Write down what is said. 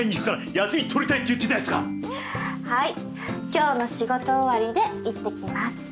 今日の仕事終わりで行ってきます。